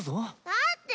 だって！